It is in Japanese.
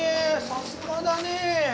さすがだね！